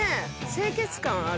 清潔感ある